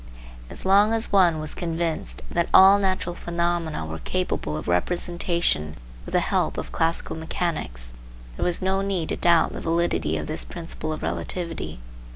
As long as one was convinced that all natural phenomena were capable of representation with the help of classical mechanics, there was no need to doubt the validity of this principle of relativity.